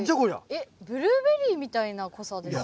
えっブルーベリーみたいな濃さですね。